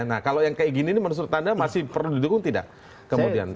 nah kalau yang kayak gini menurut anda masih perlu didukung atau tidak